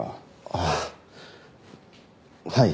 ああはい。